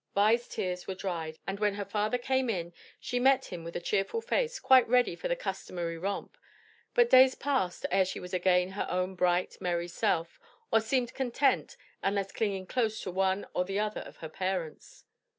Vi's tears were dried and when her father came in she met him with a cheerful face, quite ready for the customary romp, but days passed ere she was again her own bright, merry self, or seemed content unless clinging close to one or the other of her parents.